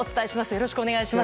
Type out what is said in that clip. よろしくお願いします。